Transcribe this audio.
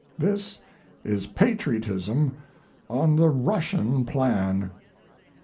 This is patriotism on the Russian plan.